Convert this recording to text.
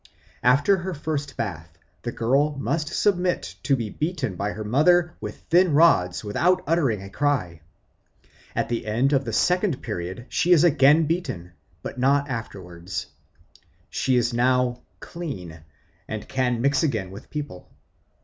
After her first bath, the girl must submit to be beaten by her mother with thin rods without uttering a cry. At the end of the second period she is again beaten, but not afterwards. She is now "clean," and can mix again with people.